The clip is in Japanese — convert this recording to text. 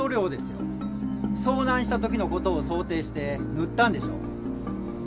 遭難した時の事を想定して塗ったんでしょう。